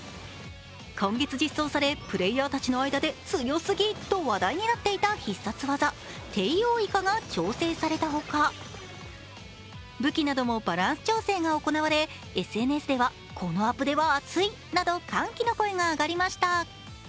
今月実装され、プレーヤーたちの間で強すぎと話題になっていた必殺技、テイオウイカが調整されたほかブキなどもバランス調整が行われ、ＳＮＳではこのアプデはあついなど歓喜の声が上がりました。